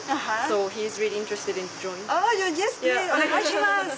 お願いします！